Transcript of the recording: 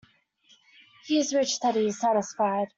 He is rich that is satisfied.